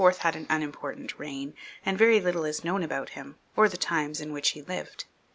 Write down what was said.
had an unimportant reign, and very little is known about him, or the times in which he lived.